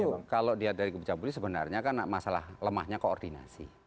itu kalau dari sisi kebijakan publik sebenarnya kan masalah lemahnya koordinasi